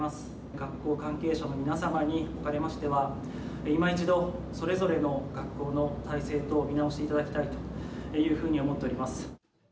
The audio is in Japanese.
学校関係者の皆様におかれましては、今一度、それぞれの学校の体制等、見直していただきたいというふうに思っております。